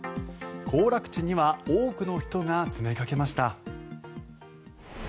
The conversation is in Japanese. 行楽地には多くの人が詰めかけました。